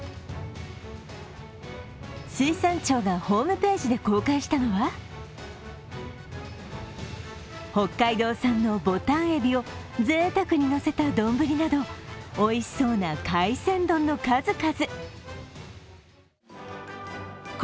水産庁がホームページで公開したのは北海道産のボタンエビをぜいたくにのせた丼などおいしそうな海鮮丼の数々。